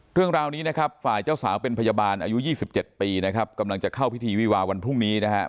เรื่องราวนี้นะครับฝ่ายเจ้าสาวเป็นพยาบาลอายุ๒๗ปีนะครับกำลังจะเข้าพิธีวิวาวันพรุ่งนี้นะครับ